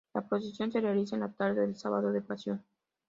La procesión se realiza en la tarde del Sábado de Pasión.